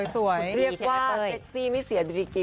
สวยเรียกว่าเซ็กซี่ไม่เสียดี